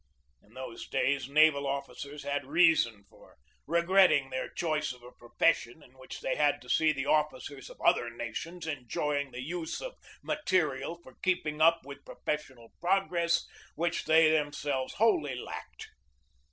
In those days naval officers had reason for regretting their choice of ij8 GEORGE DEWEY a profession in which they had to see the officers of other nations enjoying the use of material for keep ing up with professional progress which they them selves wholly lacked.